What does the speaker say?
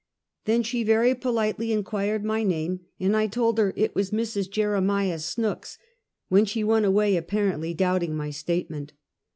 Then she very politely inquired my name, and I told her it was Mrs. Jeremiah Snooks, when she went away, apparently doubting my statement.